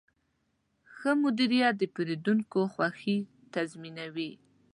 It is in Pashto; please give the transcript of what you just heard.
ښه مدیریت د پیرودونکو خوښي تضمینوي.